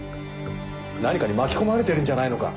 何かに巻き込まれてるんじゃないのか？